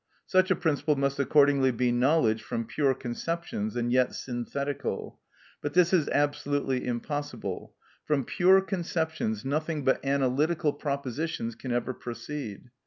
Such a principle must accordingly be knowledge from pure conceptions and yet synthetical. But this is absolutely impossible. From pure conceptions nothing but analytical propositions can ever proceed.